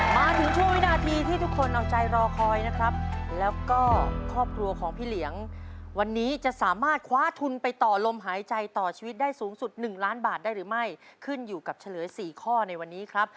มาถึงช่วงวินาทีที่ทุกคนเอาใจรอคอยนะครับแล้วก็ครอบครัวของพี่เหลียงวันนี้จะสามารถคว้าทุนไปต่อลมหายใจต่อชีวิตได้สูงสุด๑ล้านบาทได้หรือไม่ขึ้นอยู่กับเฉลย๔ข้อในวันนี้ครับ